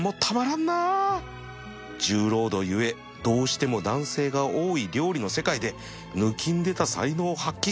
重労働ゆえどうしても男性が多い料理の世界で抜きんでた才能を発揮